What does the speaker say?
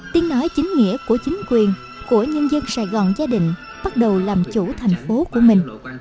tiếng nói chính nghĩa của chính quyền của nhân dân sài gòn gia đình bắt đầu làm chủ thành phố của mình